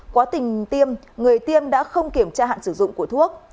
quá trình tiêm người tiêm đã không kiểm tra hạn sử dụng của thuốc